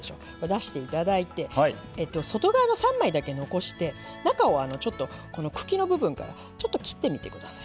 出していただいて外側の３枚だけ残して中をこの茎の部分からちょっと切ってみてください